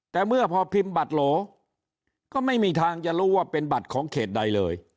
แต่เมื่อพอพิมพ์บัตรโหลก็ไม่มีทางจะรู้ว่าเป็นบัตรของเขตใดเลย